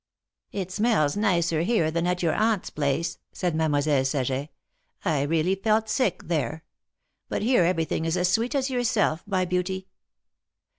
" It smells nicer here than at your Aunt's place," said Mademoiselle Saget. " I really felt sick there. But here everything is as sweet as yourself, my beauty